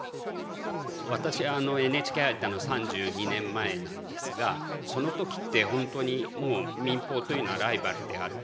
私ＮＨＫ入ったのが３２年前なんですがその時って本当にもう民放というのはライバルであると。